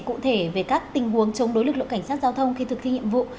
cụ thể về các tình huống chống đối lực lượng cảnh sát giao thông khi thực thi nhiệm vụ